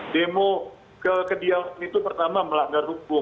demo ke kediaman itu pertama melanggar hukum